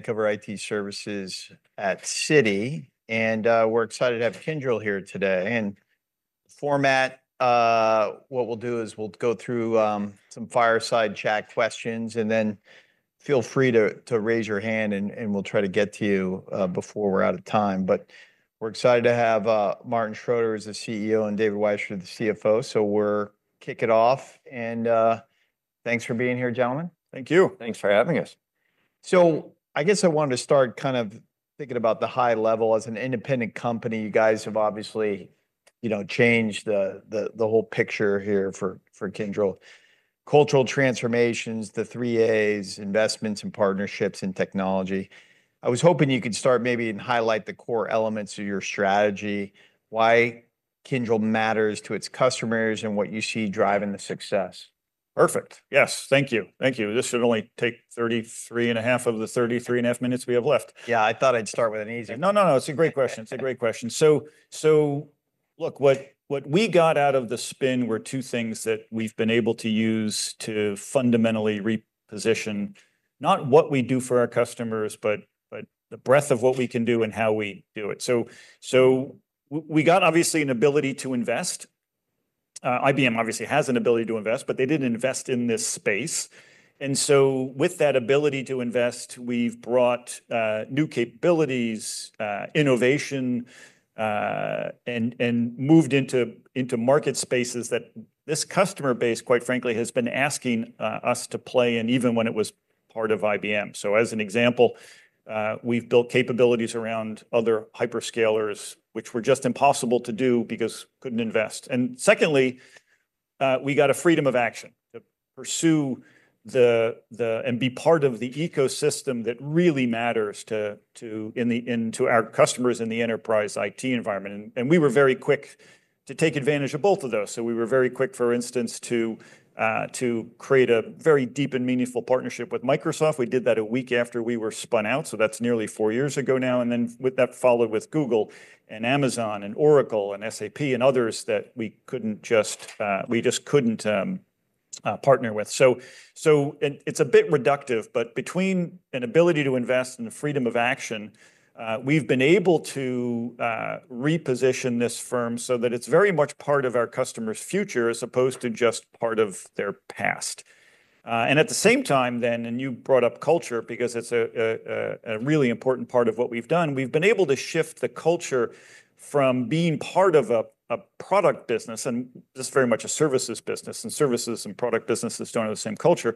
coverage of IT services at Citi, and we're excited to have Kyndryl here today, and the format, what we'll do is we'll go through some fireside chat questions, and then feel free to raise your hand, and we'll try to get to you before we're out of time, but we're excited to have Martin Schroeter as the CEO and David Wyshner, the CFO, so we'll kick it off, and thanks for being here, gentlemen. Thank you. Thanks for having us. I guess I wanted to start kind of thinking about the high level. As an independent company, you guys have obviously, you know, changed the whole picture here for Kyndryl: cultural transformations, the Three A's, investments and partnerships in technology. I was hoping you could start maybe and highlight the core elements of your strategy, why Kyndryl matters to its customers, and what you see driving the success. Perfect. Yes. Thank you. Thank you. This should only take 33 and a half of the 33 and a half minutes we have left. Yeah, I thought I'd start with an easy. No, no, no. It's a great question. It's a great question. So look, what we got out of the spin were two things that we've been able to use to fundamentally reposition not what we do for our customers, but the breadth of what we can do and how we do it. So we got obviously an ability to invest. IBM obviously has an ability to invest, but they didn't invest in this space. And so with that ability to invest, we've brought new capabilities, innovation, and moved into market spaces that this customer base, quite frankly, has been asking us to play, and even when it was part of IBM. So as an example, we've built capabilities around other hyperscalers, which were just impossible to do because we couldn't invest. And secondly, we got a freedom of action to pursue and be part of the ecosystem that really matters to our customers in the enterprise IT environment. And we were very quick to take advantage of both of those. So we were very quick, for instance, to create a very deep and meaningful partnership with Microsoft. We did that a week after we were spun out. So that's nearly four years ago now. And then that followed with Google and Amazon and Oracle and SAP and others that we couldn't just partner with. So it's a bit reductive, but between an ability to invest and the freedom of action, we've been able to reposition this firm so that it's very much part of our customer's future as opposed to just part of their past. And at the same time then, and you brought up culture because it's a really important part of what we've done. We've been able to shift the culture from being part of a product business, and this is very much a services business, and services and product businesses don't have the same culture.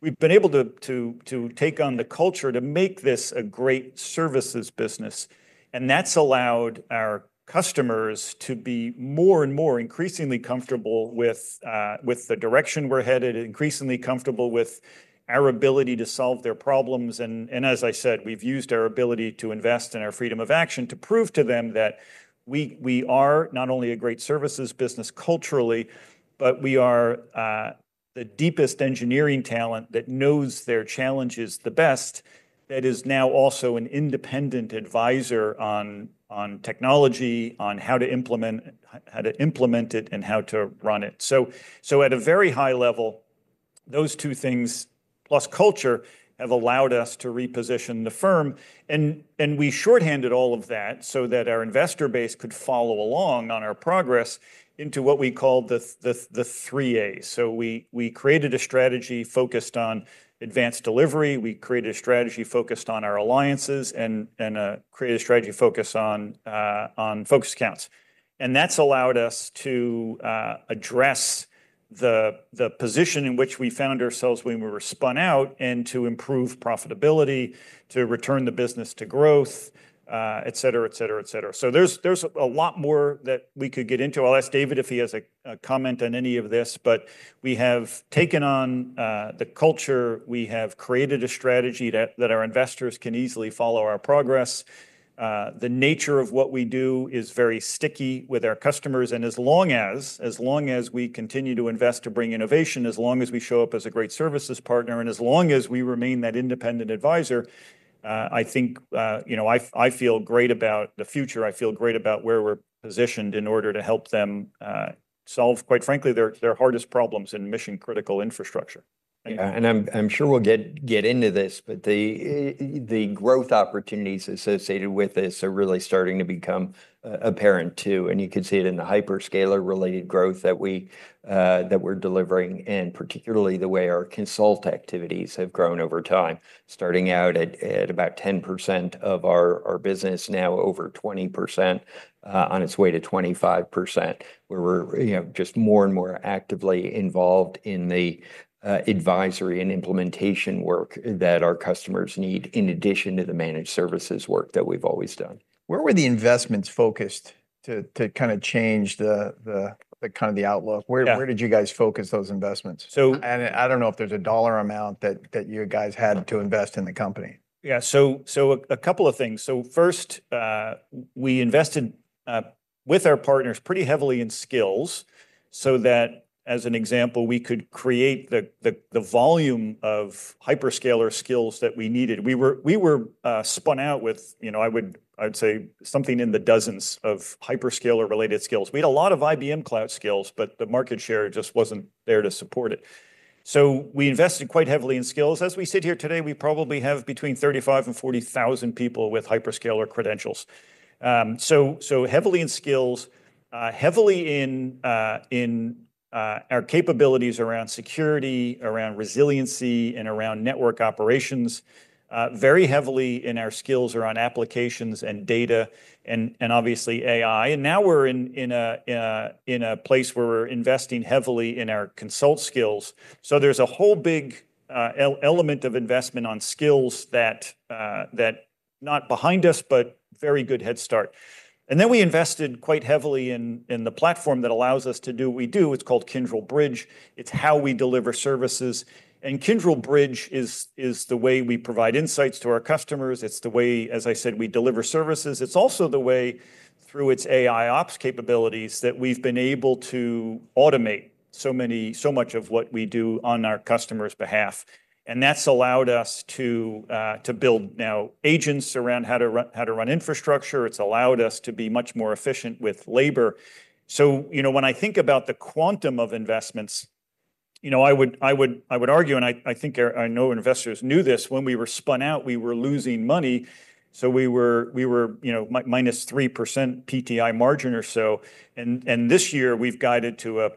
We've been able to take on the culture to make this a great services business. And that's allowed our customers to be more and more increasingly comfortable with the direction we're headed, increasingly comfortable with our ability to solve their problems. And as I said, we've used our ability to invest in our freedom of action to prove to them that we are not only a great services business culturally, but we are the deepest engineering talent that knows their challenges the best, that is now also an independent advisor on technology, on how to implement it and how to run it. So at a very high level, those two things, plus culture, have allowed us to reposition the firm. And we shorthanded all of that so that our investor base could follow along on our progress into what we call the Three A's. So we created a strategy focused on Advanced Delivery. We created a strategy focused on our Alliances and created a strategy focused on Focus Accounts. That's allowed us to address the position in which we found ourselves when we were spun out and to improve profitability, to return the business to growth, et cetera, et cetera, et cetera. There's a lot more that we could get into. I'll ask David if he has a comment on any of this, but we have taken on the culture. We have created a strategy that our investors can easily follow our progress. The nature of what we do is very sticky with our customers. And as long as we continue to invest to bring innovation, as long as we show up as a great services partner, and as long as we remain that independent advisor, I think I feel great about the future. I feel great about where we're positioned in order to help them solve, quite frankly, their hardest problems in mission-critical infrastructure. Yeah. And I'm sure we'll get into this, but the growth opportunities associated with this are really starting to become apparent too. And you can see it in the hyperscaler-related growth that we're delivering and particularly the way our Consult activities have grown over time, starting out at about 10% of our business, now over 20% on its way to 25%, where we're just more and more actively involved in the advisory and implementation work that our customers need in addition to the managed services work that we've always done. Where were the investments focused to kind of change kind of the outlook? Where did you guys focus those investments? And I don't know if there's a dollar amount that you guys had to invest in the company. Yeah. So a couple of things. So first, we invested with our partners pretty heavily in skills so that, as an example, we could create the volume of hyperscaler skills that we needed. We were spun out with, I would say, something in the dozens of hyperscaler-related skills. We had a lot of IBM cloud skills, but the market share just wasn't there to support it. So we invested quite heavily in skills. As we sit here today, we probably have between 35,000 and 40,000 people with hyperscaler credentials. So heavily in skills, heavily in our capabilities around security, around resiliency, and around network operations, very heavily in our skills around applications and data and obviously AI. And now we're in a place where we're investing heavily in our Consult skills. So there's a whole big element of investment on skills that, not behind us, but very good head start. And then we invested quite heavily in the platform that allows us to do what we do. It's called Kyndryl Bridge. It's how we deliver services. And Kyndryl Bridge is the way we provide insights to our customers. It's the way, as I said, we deliver services. It's also the way, through its AIOps capabilities, that we've been able to automate so much of what we do on our customer's behalf. And that's allowed us to build now agents around how to run infrastructure. It's allowed us to be much more efficient with labor. So when I think about the quantum of investments, I would argue, and I think I know investors knew this, when we were spun out, we were losing money. So we were minus 3% PTI margin or so. And this year, we've guided to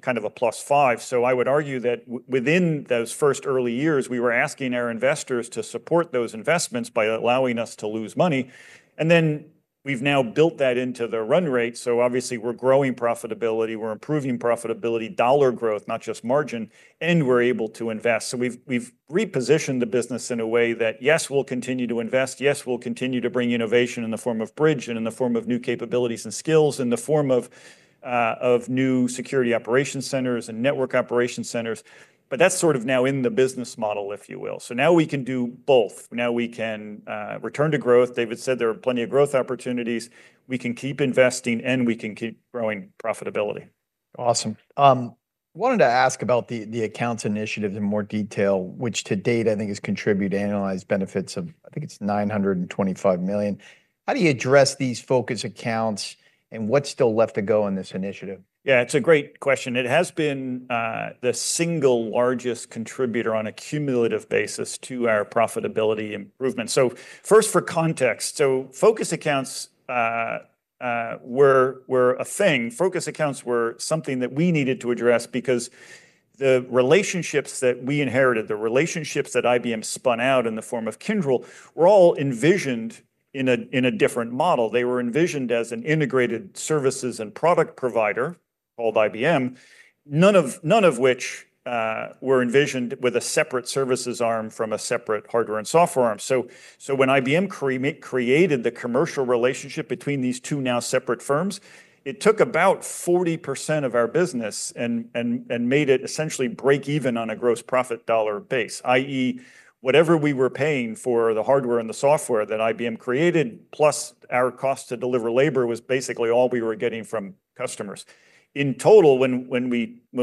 kind of a plus 5%. So I would argue that within those first early years, we were asking our investors to support those investments by allowing us to lose money. And then we've now built that into the run rate. So obviously, we're growing profitability. We're improving profitability, dollar growth, not just margin, and we're able to invest. So we've repositioned the business in a way that, yes, we'll continue to invest. Yes, we'll continue to bring innovation in the form of bridge and in the form of new capabilities and skills, in the form of new security operations centers and network operations centers. But that's sort of now in the business model, if you will. So now we can do both. Now we can return to growth. David said there are plenty of growth opportunities. We can keep investing, and we can keep growing profitability. Awesome. I wanted to ask about the accounts initiative in more detail, which to date, I think, has contributed to realized benefits of, I think it's $925 million. How do you address these focus accounts, and what's still left to go in this initiative? Yeah, it's a great question. It has been the single largest contributor on a cumulative basis to our profitability improvement. So first, for context, so focus accounts were a thing. Focus accounts were something that we needed to address because the relationships that we inherited, the relationships that IBM spun out in the form of Kyndryl, were all envisioned in a different model. They were envisioned as an integrated services and product provider called IBM, none of which were envisioned with a separate services arm from a separate hardware and software arm. When IBM created the commercial relationship between these two now separate firms, it took about 40% of our business and made it essentially break even on a gross profit dollar base, i.e., whatever we were paying for the hardware and the software that IBM created, plus our cost to deliver labor was basically all we were getting from customers. In total, when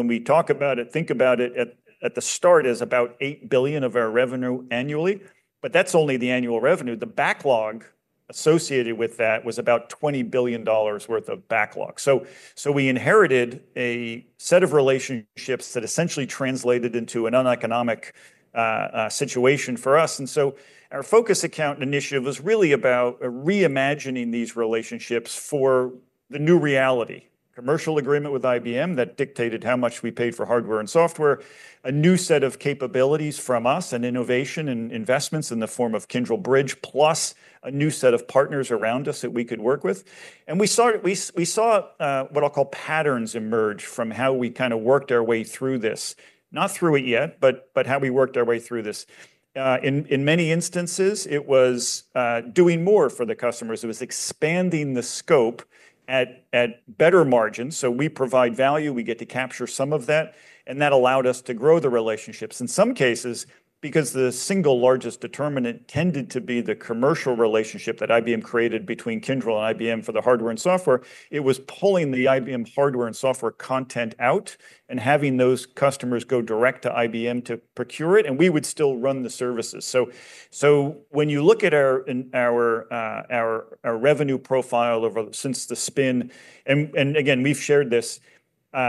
we talk about it, think about it, at the start, it's about $8 billion of our revenue annually, but that's only the annual revenue. The backlog associated with that was about $20 billion worth of backlog. We inherited a set of relationships that essentially translated into an uneconomic situation for us. And so our focus account initiative was really about reimagining these relationships for the new reality: a commercial agreement with IBM that dictated how much we paid for hardware and software, a new set of capabilities from us, and innovation and investments in the form of Kyndryl Bridge, plus a new set of partners around us that we could work with. And we saw what I'll call patterns emerge from how we kind of worked our way through this, not through it yet, but how we worked our way through this. In many instances, it was doing more for the customers. It was expanding the scope at better margins. So we provide value. We get to capture some of that. And that allowed us to grow the relationships. In some cases, because the single largest determinant tended to be the commercial relationship that IBM created between Kyndryl and IBM for the hardware and software, it was pulling the IBM hardware and software content out and having those customers go direct to IBM to procure it, and we would still run the services. So when you look at our revenue profile since the spin, and again, we've shared this, we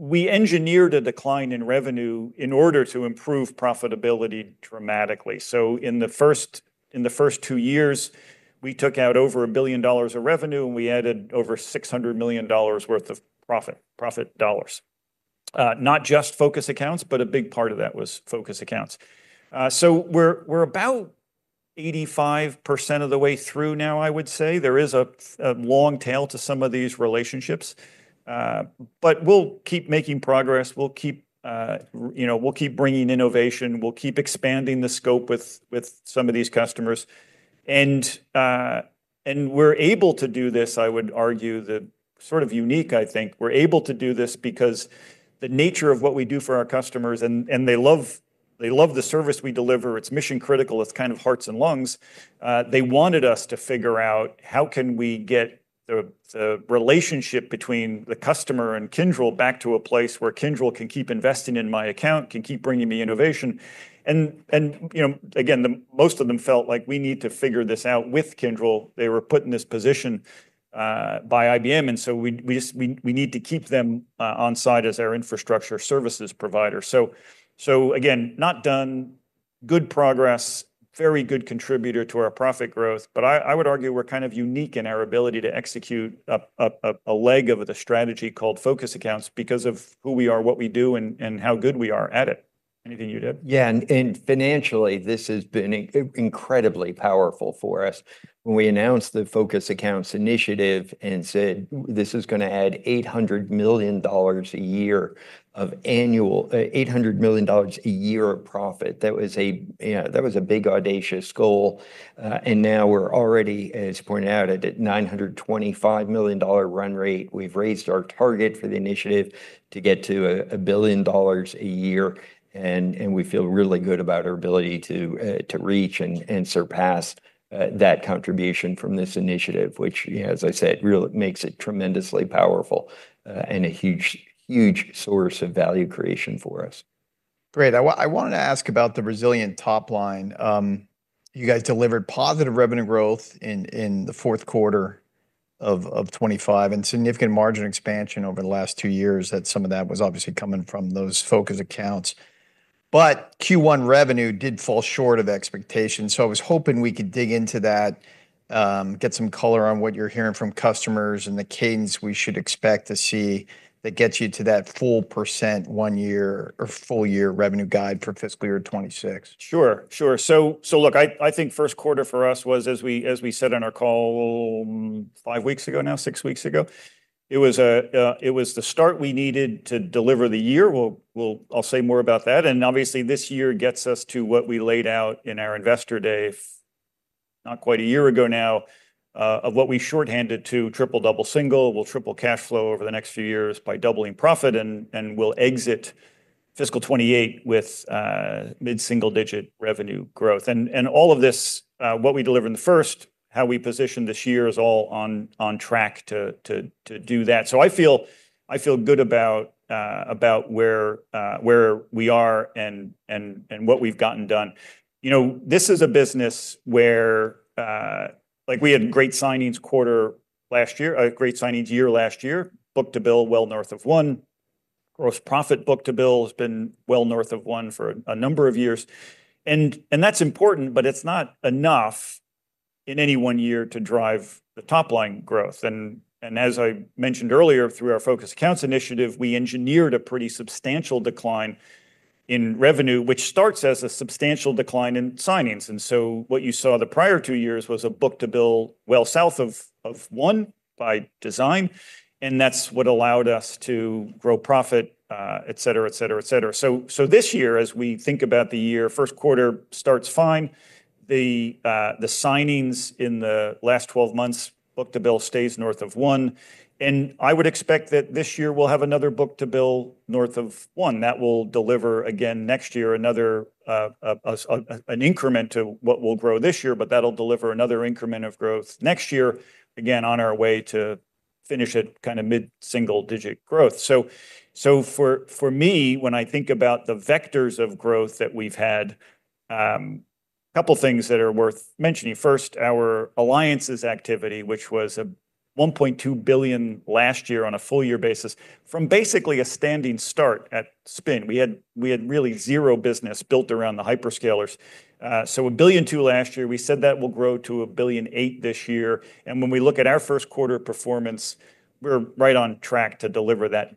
engineered a decline in revenue in order to improve profitability dramatically. So in the first two years, we took out over $1 billion of revenue, and we added over $600 million worth of profit dollars. Not just focus accounts, but a big part of that was focus accounts. So we're about 85% of the way through now, I would say. There is a long tail to some of these relationships. But we'll keep making progress. We'll keep bringing innovation. We'll keep expanding the scope with some of these customers, and we're able to do this, I would argue, the sort of unique, I think, we're able to do this because the nature of what we do for our customers, and they love the service we deliver. It's mission-critical. It's kind of hearts and lungs. They wanted us to figure out how can we get the relationship between the customer and Kyndryl back to a place where Kyndryl can keep investing in my account, can keep bringing me innovation, and again, most of them felt like we need to figure this out with Kyndryl. They were put in this position by IBM, and so we need to keep them on site as our infrastructure services provider, so again, not done, good progress, very good contributor to our profit growth. But I would argue we're kind of unique in our ability to execute a leg of the strategy called focus accounts because of who we are, what we do, and how good we are at it. Anything you'd add? Yeah. And financially, this has been incredibly powerful for us. When we announced the focus accounts initiative and said, "This is going to add $800 million a year of annual profit," that was a big audacious goal. And now we're already, as pointed out, at a $925 million run rate. We've raised our target for the initiative to get to $1 billion a year. And we feel really good about our ability to reach and surpass that contribution from this initiative, which, as I said, really makes it tremendously powerful and a huge source of value creation for us. Great. I wanted to ask about the resilient top line. You guys delivered positive revenue growth in the fourth quarter of 2025 and significant margin expansion over the last two years. That, some of that was obviously coming from those focus accounts. But Q1 revenue did fall short of expectations. So I was hoping we could dig into that, get some color on what you're hearing from customers and the cadence we should expect to see that gets you to that full-year 1% or full-year revenue guide for fiscal year 2026. Sure. Sure. So look, I think first quarter for us was, as we said on our call five weeks ago now, six weeks ago, it was the start we needed to deliver the year. I'll say more about that. And obviously, this year gets us to what we laid out in our Investor Day, not quite a year ago now, of what we shorthanded to triple, double, single. We'll triple cash flow over the next few years by doubling profit, and we'll exit fiscal 2028 with mid-single-digit revenue growth. And all of this, what we delivered in the first, how we positioned this year is all on track to do that. So I feel good about where we are and what we've gotten done. This is a business where we had great signings quarter last year, great signings year last year, book-to-bill well north of one. Gross profit book-to-bill has been well north of one for a number of years, and that's important, but it's not enough in any one year to drive the top line growth, and as I mentioned earlier, through our focus accounts initiative, we engineered a pretty substantial decline in revenue, which starts as a substantial decline in signings, and so what you saw the prior two years was a book-to-bill well south of one by design, and that's what allowed us to grow profit, et cetera, et cetera, et cetera, so this year, as we think about the year, first quarter starts fine. The signings in the last 12 months, book-to-bill stays north of one, and I would expect that this year we'll have another book-to-bill north of one. That will deliver, again, next year, another increment to what we'll grow this year, but that'll deliver another increment of growth next year, again, on our way to finish it kind of mid-single-digit growth. So for me, when I think about the vectors of growth that we've had, a couple of things that are worth mentioning. First, our alliances activity, which was a $1.2 billion last year on a full-year basis from basically a standing start at spin. We had really zero business built around the hyperscalers. So $1.2 billion last year, we said that will grow to $1.8 billion this year. And when we look at our first quarter performance, we're right on track to deliver that $1.8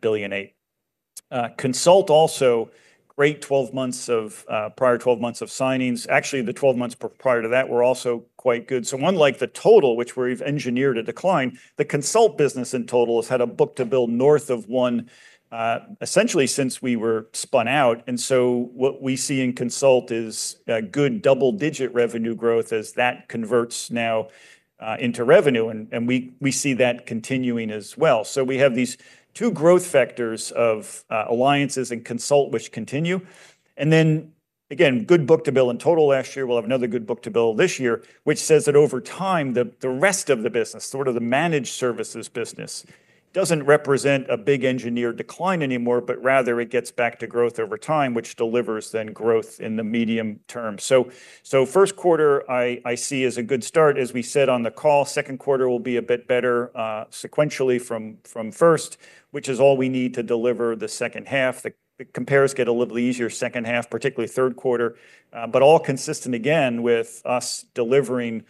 billion. Consult also, great 12 months of prior 12 months of signings. Actually, the 12 months prior to that were also quite good. So unlike the total, which we've engineered a decline, the Consult business in total has had a book-to-bill north of one essentially since we were spun out. And so what we see in Consult is good double-digit revenue growth as that converts now into revenue. And we see that continuing as well. So we have these two growth factors of alliances and Consult, which continue. And then, again, good book-to-bill in total last year. We'll have another good book-to-bill this year, which says that over time, the rest of the business, sort of the managed services business, doesn't represent a big engineered decline anymore, but rather it gets back to growth over time, which delivers then growth in the medium term. So first quarter I see as a good start, as we said on the call. Second quarter will be a bit better sequentially from first, which is all we need to deliver the second half. The compares get a little easier second half, particularly third quarter, but all consistent again with us delivering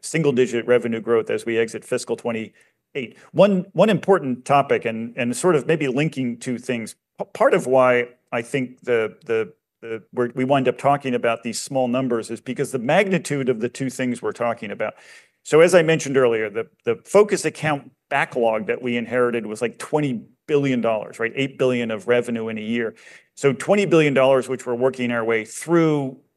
single-digit revenue growth as we exit fiscal 2028. One important topic and sort of maybe linking two things. Part of why I think we wind up talking about these small numbers is because the magnitude of the two things we're talking about. So as I mentioned earlier, the focus accounts backlog that we inherited was like $20 billion, right? $8 billion of revenue in a year. So $20 billion, which we're working our way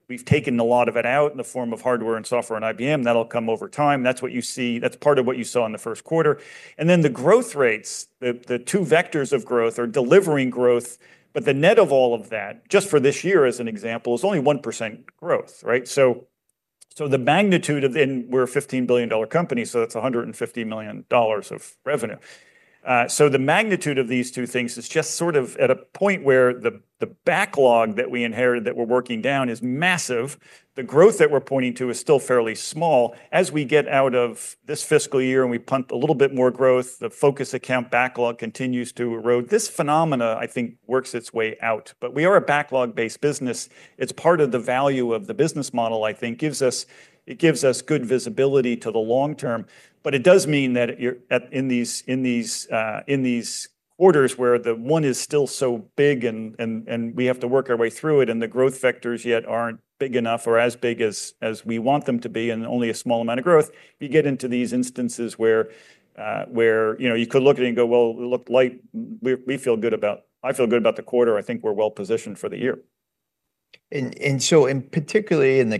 through, we've taken a lot of it out in the form of hardware and software on IBM. That'll come over time. That's what you see. That's part of what you saw in the first quarter. And then the growth rates, the two vectors of growth are delivering growth, but the net of all of that, just for this year as an example, is only 1% growth, right? So the magnitude of, and we're a $15 billion company, so that's $150 million of revenue. So the magnitude of these two things is just sort of at a point where the backlog that we inherited that we're working down is massive. The growth that we're pointing to is still fairly small. As we get out of this fiscal year and we pump a little bit more growth, the focus account backlog continues to erode. This phenomena, I think, works its way out. But we are a backlog-based business. It's part of the value of the business model, I think, gives us good visibility to the long term. But it does mean that in these quarters where the one is still so big and we have to work our way through it and the growth vectors yet aren't big enough or as big as we want them to be and only a small amount of growth, you get into these instances where you could look at it and go, "Well, it looked light. We feel good about it. I feel good about the quarter. I think we're well positioned for the year. Particularly in the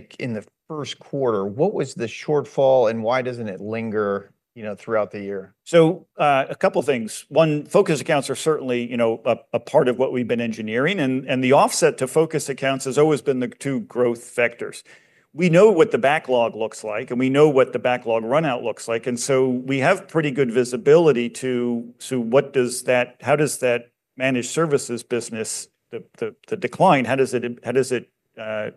first quarter, what was the shortfall and why doesn't it linger throughout the year? So a couple of things. One, focus accounts are certainly a part of what we've been engineering. And the offset to focus accounts has always been the two growth vectors. We know what the backlog looks like, and we know what the backlog runout looks like. And so we have pretty good visibility to what does that, how does that managed services business, the decline, how does it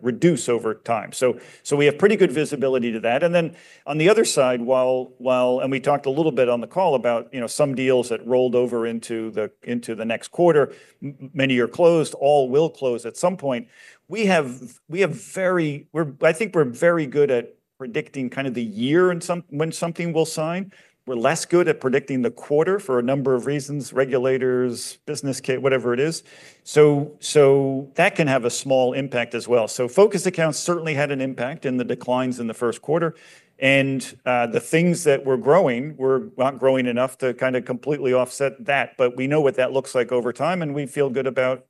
reduce over time. So we have pretty good visibility to that. And then on the other side, and we talked a little bit on the call about some deals that rolled over into the next quarter, many are closed, all will close at some point. We have, I think we're very good at predicting kind of the year when something will sign. We're less good at predicting the quarter for a number of reasons, regulators, business, whatever it is. So that can have a small impact as well. So focus accounts certainly had an impact in the declines in the first quarter. And the things that were growing, we're not growing enough to kind of completely offset that, but we know what that looks like over time. And we feel good about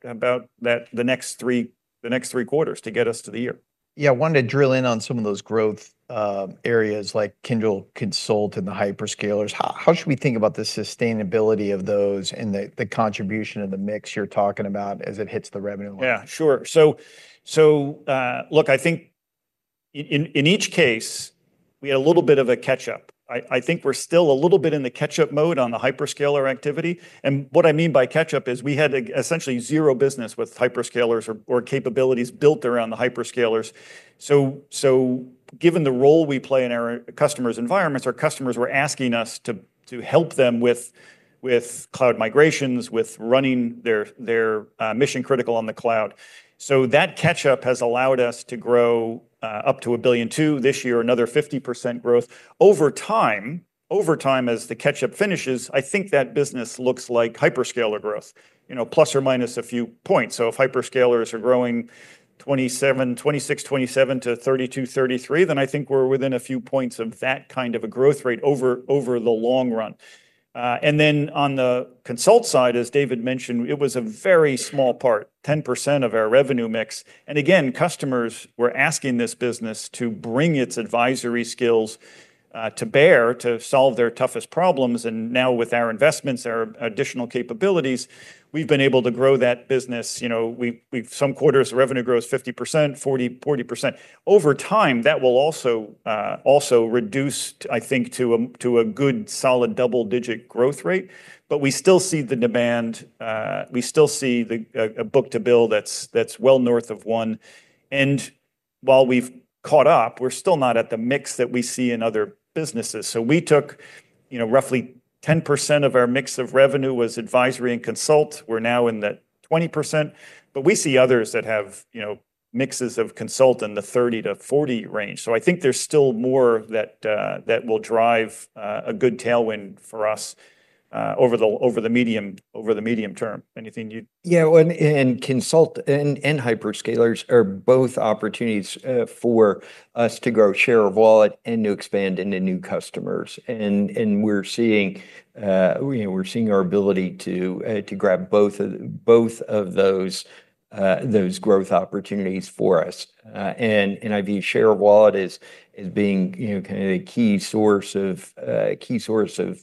the next three quarters to get us to the year. Yeah. I wanted to drill in on some of those growth areas like Kyndryl Consult and the hyperscalers. How should we think about the sustainability of those and the contribution of the mix you're talking about as it hits the revenue line? Yeah, sure. So look, I think in each case, we had a little bit of a catch-up. I think we're still a little bit in the catch-up mode on the hyperscaler activity. And what I mean by catch-up is we had essentially zero business with hyperscalers or capabilities built around the hyperscalers. So given the role we play in our customers' environments, our customers were asking us to help them with cloud migrations, with running their mission-critical on the cloud. So that catch-up has allowed us to grow up to $1.2 billion this year, another 50% growth. Over time, as the catch-up finishes, I think that business looks like hyperscaler growth, plus or minus a few points. So if hyperscalers are growing 26%-27% to 32%-33%, then I think we're within a few points of that kind of a growth rate over the long run. And then on the Consult side, as David mentioned, it was a very small part, 10% of our revenue mix. And again, customers were asking this business to bring its advisory skills to bear to solve their toughest problems. And now with our investments, our additional capabilities, we've been able to grow that business. Some quarters, revenue grows 50%, 40%. Over time, that will also reduce, I think, to a good solid double-digit growth rate. But we still see the demand. We still see a book-to-bill that's well north of one. And while we've caught up, we're still not at the mix that we see in other businesses. So we took roughly 10% of our mix of revenue was advisory and Consult. We're now in the 20%. But we see others that have mixes of Consult in the 30%-40% range. So I think there's still more that will drive a good tailwind for us over the medium term. Anything you'd? Yeah, and Consult and hyperscalers are both opportunities for us to grow share of wallet and to expand into new customers, and we're seeing our ability to grab both of those growth opportunities for us, and I view share of wallet as being kind of a key source of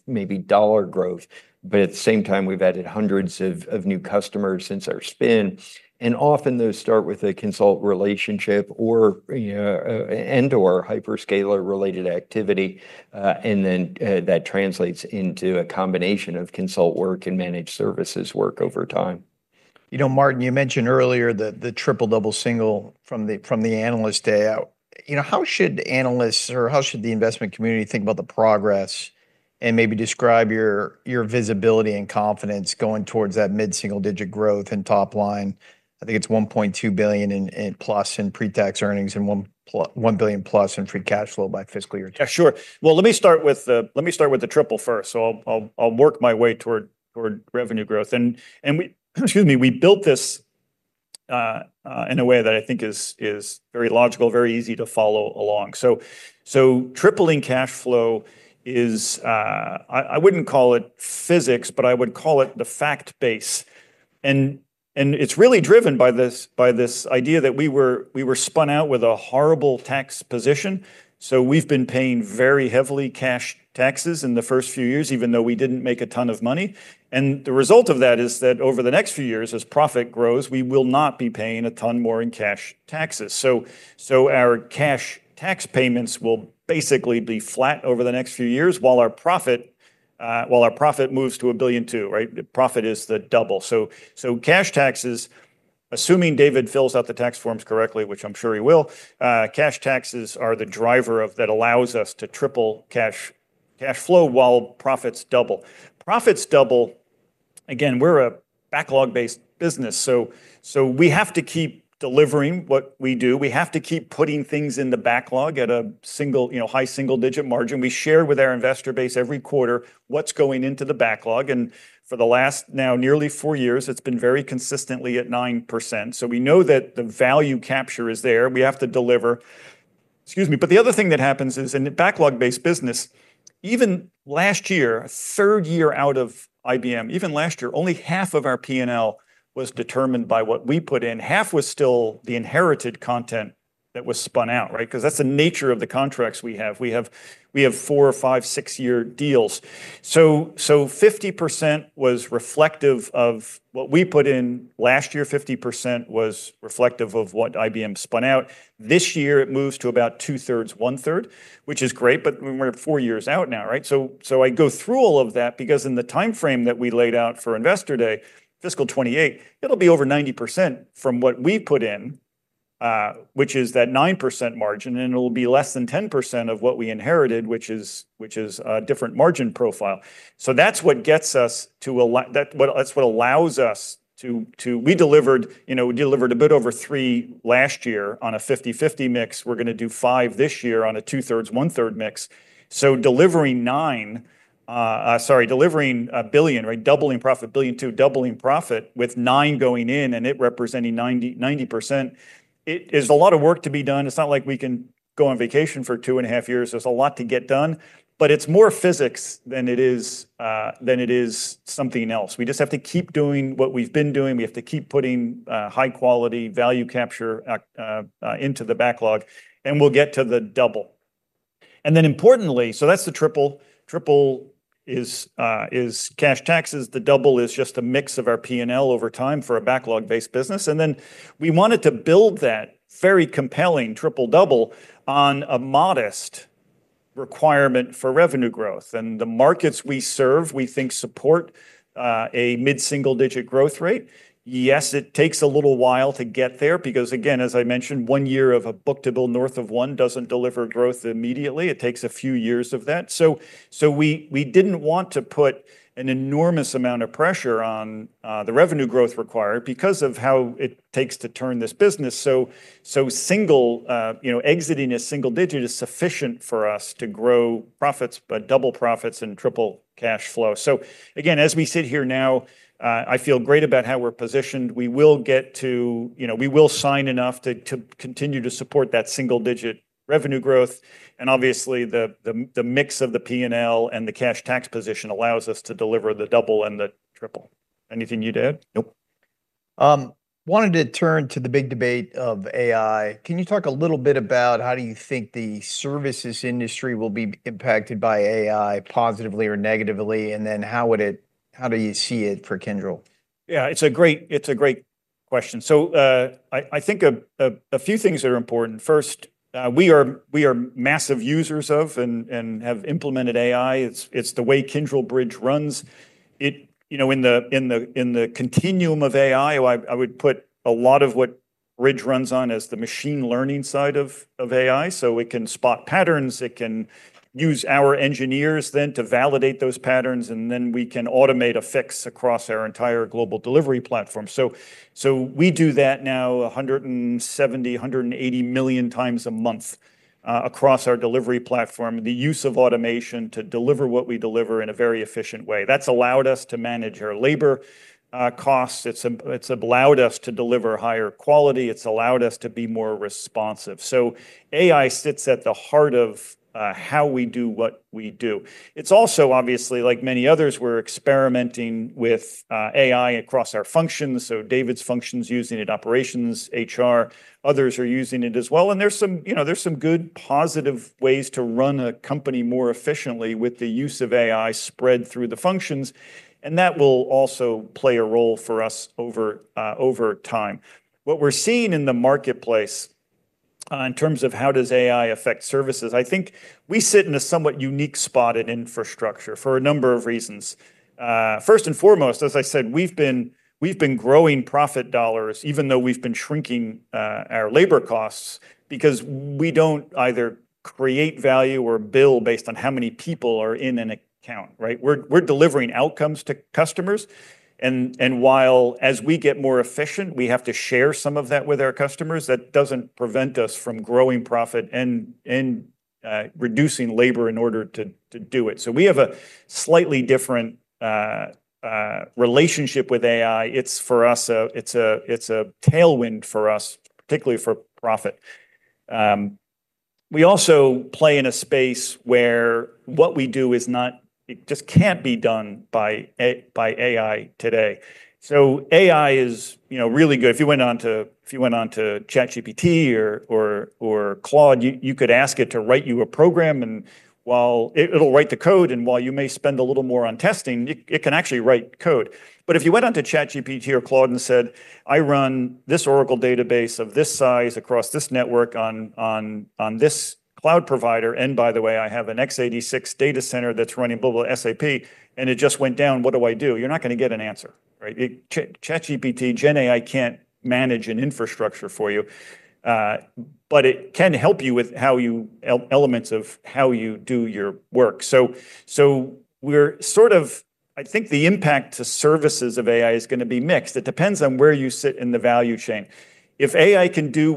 maybe dollar growth, but at the same time, we've added hundreds of new customers since our spin, and often those start with a Consult relationship and/or hyperscaler-related activity, and then that translates into a combination of Consult work and managed services work over time. Martin, you mentioned earlier the triple, double, single from the analyst day out. How should analysts or how should the investment community think about the progress and maybe describe your visibility and confidence going towards that mid-single-digit growth and top line? I think it's $1.2 billion plus in pre-tax earnings and $1 billion plus in free cash flow by fiscal year 2022. Yeah, sure. Well, let me start with the triple first. So I'll work my way toward revenue growth. And excuse me, we built this in a way that I think is very logical, very easy to follow along. So tripling cash flow is, I wouldn't call it physics, but I would call it the fact base. And it's really driven by this idea that we were spun out with a horrible tax position. So we've been paying very heavily cash taxes in the first few years, even though we didn't make a ton of money. And the result of that is that over the next few years, as profit grows, we will not be paying a ton more in cash taxes. So our cash tax payments will basically be flat over the next few years while our profit moves to $1.2 billion, right? Profit is the double. So cash taxes, assuming David fills out the tax forms correctly, which I'm sure he will, cash taxes are the driver that allows us to triple cash flow while profits double. Profits double, again, we're a backlog-based business. So we have to keep delivering what we do. We have to keep putting things in the backlog at a high single-digit margin. We share with our investor base every quarter what's going into the backlog. And for the last now nearly four years, it's been very consistently at 9%. So we know that the value capture is there. We have to deliver. Excuse me. But the other thing that happens is in a backlog-based business, even last year, a third year out of IBM, even last year, only half of our P&L was determined by what we put in. Half was still the inherited content that was spun out, right? Because that's the nature of the contracts we have. We have four, five, six-year deals. So 50% was reflective of what we put in last year. 50% was reflective of what IBM spun out. This year, it moves to about two-thirds, one-third, which is great. But we're four years out now, right? So I go through all of that because in the timeframe that we laid out for investor day, fiscal 2028, it'll be over 90% from what we put in, which is that 9% margin. And it'll be less than 10% of what we inherited, which is a different margin profile. So that's what allows us to. We delivered a bit over 3% last year on a 50/50 mix. We're going to do 5% this year on a two-thirds, one-third mix. So delivering 9%, sorry, delivering $1 billion, right? Doubling profit, $1.2 billion, doubling profit with nine going in and it representing 90%. It is a lot of work to be done. It's not like we can go on vacation for two and a half years. There's a lot to get done, but it's more physics than it is something else. We just have to keep doing what we've been doing. We have to keep putting high-quality value capture into the backlog, and we'll get to the double. And then importantly, so that's the triple. Triple is cash flow. The double is just a mix of our P&L over time for a backlog-based business. And then we wanted to build that very compelling triple double on a modest requirement for revenue growth. And the markets we serve, we think support a mid-single-digit growth rate. Yes, it takes a little while to get there because, again, as I mentioned, one year of a book-to-bill north of one doesn't deliver growth immediately. It takes a few years of that. So we didn't want to put an enormous amount of pressure on the revenue growth required because of how it takes to turn this business. So, exiting a single-digit is sufficient for us to grow profits, but double profits and triple cash flow. So again, as we sit here now, I feel great about how we're positioned. We will get there. We will sign enough to continue to support that single-digit revenue growth. And obviously, the mix of the P&L and the cash and tax position allows us to deliver the double and the triple. Anything you'd add? Nope. Wanted to turn to the big debate of AI. Can you talk a little bit about how do you think the services industry will be impacted by AI positively or negatively? And then how do you see it for Kyndryl? Yeah, it's a great question. So I think a few things that are important. First, we are massive users of and have implemented AI. It's the way Kyndryl Bridge runs. In the continuum of AI, I would put a lot of what Bridge runs on as the machine learning side of AI. So it can spot patterns. It can use our engineers then to validate those patterns. And then we can automate a fix across our entire global delivery platform. So we do that now 170-180 million times a month across our delivery platform. The use of automation to deliver what we deliver in a very efficient way. That's allowed us to manage our labor costs. It's allowed us to deliver higher quality. It's allowed us to be more responsive. So AI sits at the heart of how we do what we do. It's also, obviously, like many others, we're experimenting with AI across our functions. So David's function's using it, operations, HR. Others are using it as well. And there's some good positive ways to run a company more efficiently with the use of AI spread through the functions. And that will also play a role for us over time. What we're seeing in the marketplace in terms of how does AI affect services, I think we sit in a somewhat unique spot in infrastructure for a number of reasons. First and foremost, as I said, we've been growing profit dollars, even though we've been shrinking our labor costs because we don't either create value or bill based on how many people are in an account, right? We're delivering outcomes to customers. While as we get more efficient, we have to share some of that with our customers. That doesn't prevent us from growing profit and reducing labor in order to do it. So we have a slightly different relationship with AI. It's for us, it's a tailwind for us, particularly for profit. We also play in a space where what we do is not just can't be done by AI today. So AI is really good. If you went on to ChatGPT or Claude, you could ask it to write you a program. And while it'll write the code and while you may spend a little more on testing, it can actually write code. But if you went on to ChatGPT or Claude and said, "I run this Oracle database of this size across this network on this cloud provider. And by the way, I have an x86 data center that's running blah, blah, SAP. And it just went down. What do I do?" You're not going to get an answer, right? ChatGPT, GenAI can't manage an infrastructure for you. But it can help you with elements of how you do your work. So we're sort of, I think the impact to services of AI is going to be mixed. It depends on where you sit in the value chain. If AI can do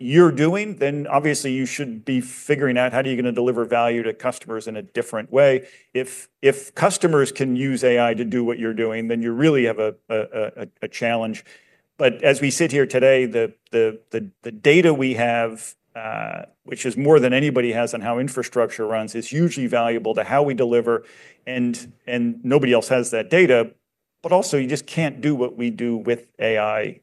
what you're doing, then obviously you should be figuring out how are you going to deliver value to customers in a different way. If customers can use AI to do what you're doing, then you really have a challenge. But as we sit here today, the data we have, which is more than anybody has on how infrastructure runs, is hugely valuable to how we deliver. And nobody else has that data. But also, you just can't do what we do with AI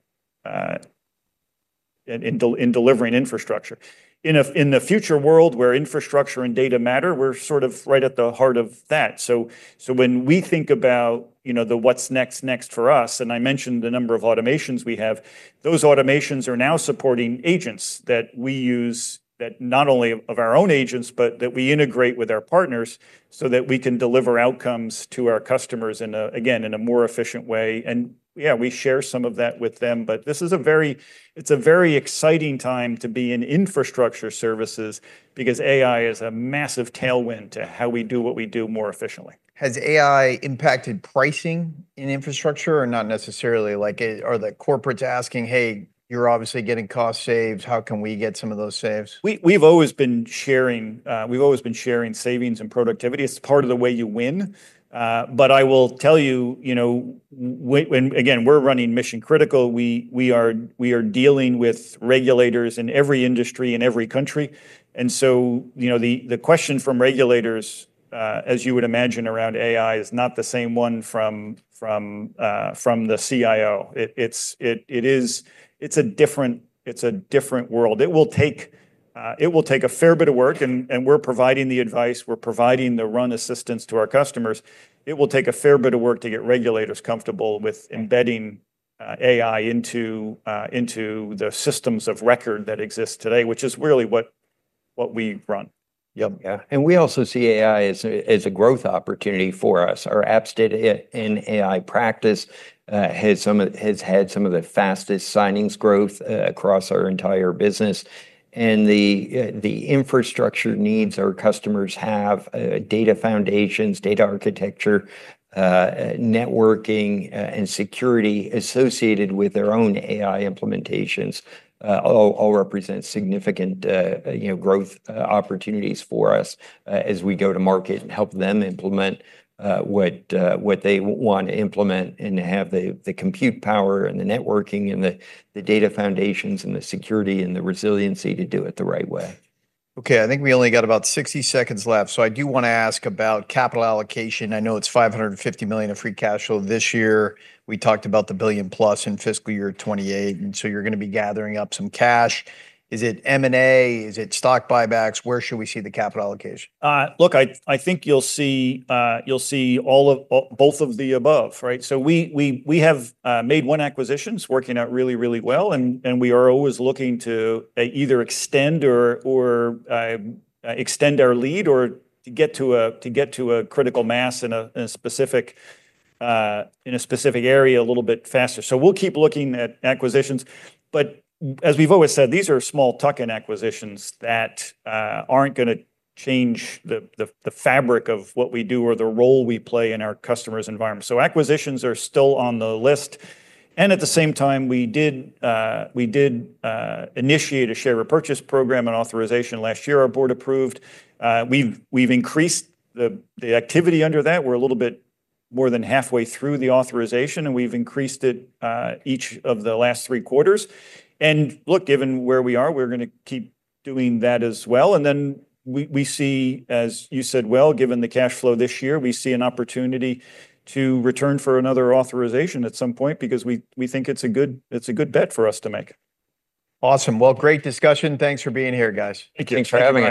in delivering infrastructure. In the future world where infrastructure and data matter, we're sort of right at the heart of that. So when we think about the what's next next for us, and I mentioned the number of automations we have, those automations are now supporting agents that we use that not only of our own agents, but that we integrate with our partners so that we can deliver outcomes to our customers again in a more efficient way. And yeah, we share some of that with them. But this is a very exciting time to be in infrastructure services because AI is a massive tailwind to how we do what we do more efficiently. Has AI impacted pricing in infrastructure or not necessarily? Are the corporates asking, "Hey, you're obviously getting cost saves. How can we get some of those saves? We've always been sharing savings and productivity. It's part of the way you win. But I will tell you, again, we're running mission-critical. We are dealing with regulators in every industry in every country. And so the question from regulators, as you would imagine around AI, is not the same one from the CIO. It's a different world. It will take a fair bit of work. And we're providing the advice. We're providing the run assistance to our customers. It will take a fair bit of work to get regulators comfortable with embedding AI into the systems of record that exist today, which is really what we run. Yep. Yeah. And we also see AI as a growth opportunity for us. Our Apps, Data and AI practice has had some of the fastest signings growth across our entire business. And the infrastructure needs our customers have, data foundations, data architecture, networking, and security associated with their own AI implementations, all represent significant growth opportunities for us as we go to market and help them implement what they want to implement and have the compute power and the networking and the data foundations and the security and the resiliency to do it the right way. Okay. I think we only got about 60 seconds left, so I do want to ask about capital allocation. I know it's $550 million of free cash flow this year. We talked about the billion plus in fiscal year 2028, and so you're going to be gathering up some cash. Is it M&A? Is it stock buybacks? Where should we see the capital allocation? Look, I think you'll see both of the above, right, so we have made one acquisition. It's working out really, really well. We are always looking to either extend or extend our lead or to get to a critical mass in a specific area a little bit faster, so we'll keep looking at acquisitions, but as we've always said, these are small tuck-in acquisitions that aren't going to change the fabric of what we do or the role we play in our customers' environment. Acquisitions are still on the list. And at the same time, we did initiate a share repurchase program and authorization last year. Our board approved. We've increased the activity under that. We're a little bit more than halfway through the authorization. And we've increased it each of the last three quarters. And look, given where we are, we're going to keep doing that as well. And then we see, as you said well, given the cash flow this year, we see an opportunity to return for another authorization at some point because we think it's a good bet for us to make. Awesome. Well, great discussion. Thanks for being here, guys. Thank you. Thanks for having us.